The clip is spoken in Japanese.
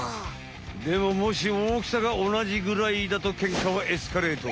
でももし大きさがおなじぐらいだとケンカはエスカレート！